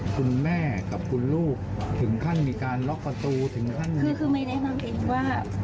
คุณแม่กับคุณลูกถึงขั้นมีการล็อกประตูถึงขั้นคือไม่ได้มองเองว่า